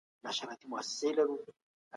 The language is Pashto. د خپلو نفسونو غيبت کول په کلکه منع سوي دي.